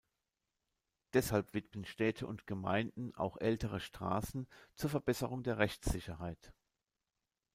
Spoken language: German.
Deshalb widmen Städte und Gemeinden auch ältere Straßen zur Verbesserung der Rechtssicherheit.